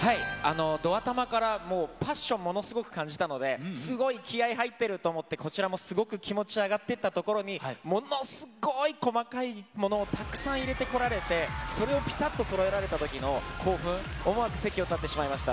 ど頭から、もうパッションものすごく感じたので、すごい気合い入ってると思って、こちらもすごく気持ち上がっていったところに、ものすごい細かいものをたくさん入れてこられて、それをぴたっとそろえられたときの興奮、思わず席を立ってしまいました。